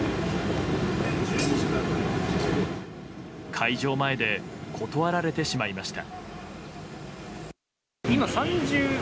会場前で断られてしまいました。